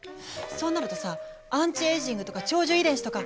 そうなるとさアンチエイジングとか長寿遺伝子とか